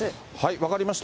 分かりました。